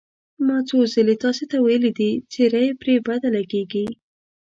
ما څو ځل تاسې ته ویلي دي، څېره یې پرې بده لګېږي.